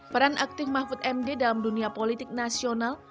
peran aktif mahfud md dalam dunia politik nasional